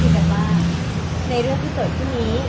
ในเรื่องที่เกิดจุดนี้